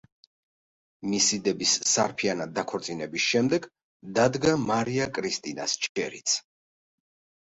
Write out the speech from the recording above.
მისი დების სარფიანად დაქორწინების შემდეგ დადგა მარია კრისტინას ჯერიც.